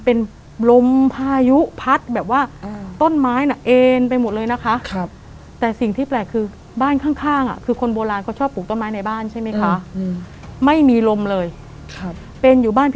เพราะเหมือนเขาอยู่กับปู่มานาน